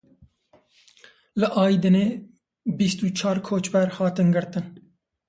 Li Aydinê bîst û çar koçber hatin girtin.